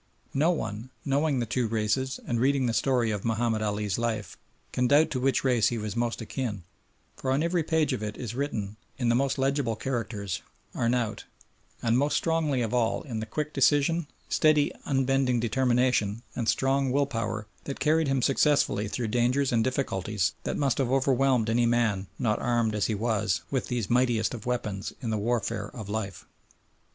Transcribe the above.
No one, knowing the two races and reading the story of Mahomed Ali's life, can doubt to which race he was most akin, for on every page of it is written, in the most legible characters, "Arnaout," and most strongly of all in the quick decision, steady, unbending determination and strong will power that carried him successfully through dangers and difficulties that must have overwhelmed any man not armed, as he was, with these mightiest of weapons in the warfare of life.